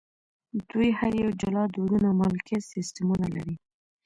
دوی هر یو جلا دودونه او مالکیت سیستمونه لري.